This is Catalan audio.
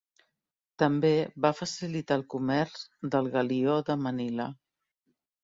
També va facilitar el comerç del galió de Manila.